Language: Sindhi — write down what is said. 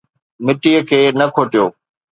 مٽيءَ کي نه کوٽيو